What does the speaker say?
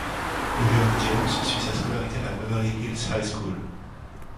Le jeune James suit sa scolarité à la Beverly Hills High School.